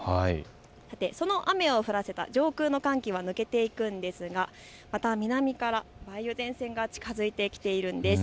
さて、その雨を降らせた上空の寒気は抜けていくんですがまた南から梅雨前線が近づいてきているんです。